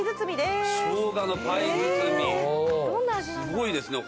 すごいですね。